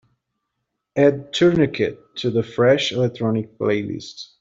Add Tourniquet to the fresh electronic playlist.